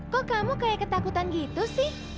kok kamu kayak ketakutan gitu sih